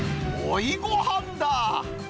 追いごはんだ。